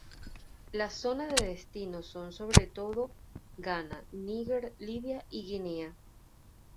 Las zonas de destino son sobre todo Ghana, Níger, Libia y Guinea.